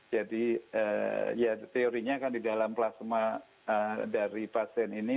jadi ya teorinya kan di dalam plasma dari pasien ini